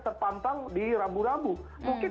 terpantang di rambu rambu mungkin